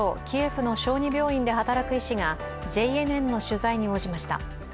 キエフの小児病院で働く医師がＪＮＮの取材に応じました。